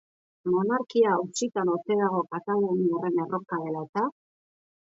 Monarkia auzitan ote dago kataluniarren erronka dela eta?